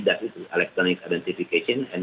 datif elektronik identifikasi dan